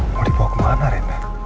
mau dibawa kemana rena